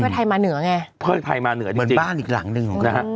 เพื่อแนะไขไทยมาเหนือเป็นบ้านอีกหลังหนึ่ง